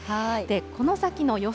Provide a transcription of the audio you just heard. この先の予想